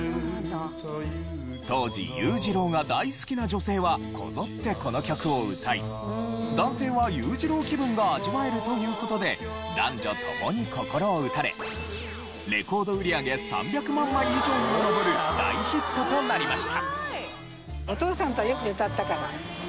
当時裕次郎が大好きな女性はこぞってこの曲を歌い男性は裕次郎気分が味わえるという事で男女共に心を打たれレコード売り上げ３００万枚以上にも上る大ヒットとなりました。